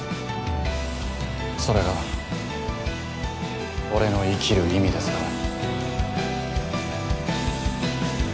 それが俺の生きる意味ですから。